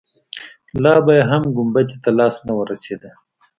لا به يې هم ګنبدې ته لاس نه وررسېده.